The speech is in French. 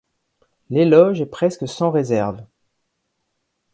L'éloge est presque sans réserve.